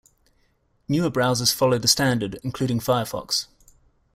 Newer browsers follow the standard, including Firefox.